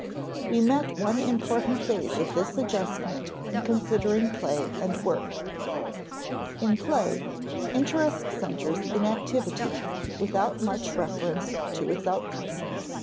We met one important phase of this adjustment in considering play and work. In play, interest centers in activity, without much reference to its outcome.